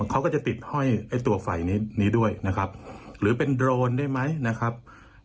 เขาก็จะติดห้อยไอ้ตัวไฟนี้ด้วยนะครับหรือเป็นโดรนได้ไหมนะครับ